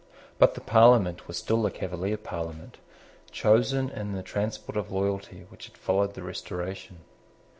But the Parliament was still the Cavalier Parliament, chosen in the transport of loyalty which had followed the Restoration.